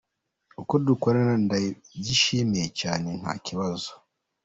Uko dukorana ndabyishimiye cyane nta kibazo.